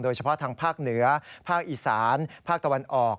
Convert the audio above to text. เฉพาะทางภาคเหนือภาคอีสานภาคตะวันออก